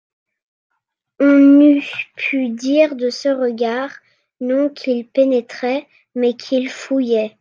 On eût pu dire de ce regard, non qu'il pénétrait, mais qu'il fouillait.